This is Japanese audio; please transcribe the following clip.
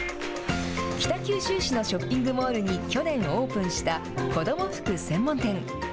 北九州市のショッピングモールに去年オープンした、子ども服専門店。